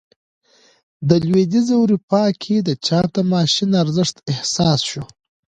په لوېدیځه اروپا کې د چاپ د ماشین ارزښت احساس شو.